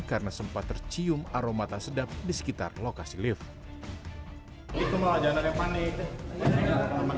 karena sempat tercium aromata sedap di sekitar lokasi lift